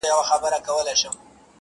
ماته خپل خالق لیکلی په ازل کي شبِ قدر -